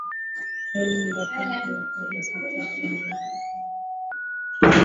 Kyliana Mbappe wa Ufaransa Kevin De Bruyne wa Ubelgiji